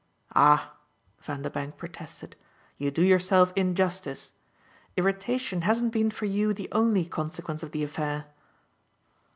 "Ah," Vanderbank protested, "you do yourself injustice. Irritation hasn't been for you the only consequence of the affair."